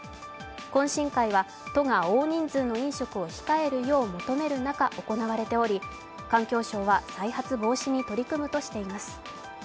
懇親会は都が大人数の飲食を控えるよう求める中、行われており環境省は、再発防止に取り組むとしています。